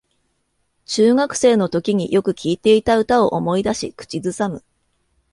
中学生のときによく聴いていた歌を思い出し口ずさむ